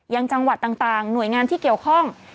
จังหวัดต่างหน่วยงานที่เกี่ยวข้อง